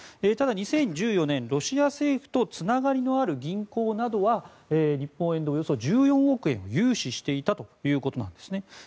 ただ、２０１４年ロシア政府とつながりのある銀行などは日本円でおよそ１４億円を融資していたということです。